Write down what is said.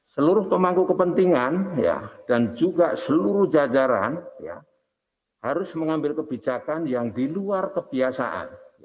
seluruh pemangku kepentingan dan juga seluruh jajaran harus mengambil kebijakan yang di luar kebiasaan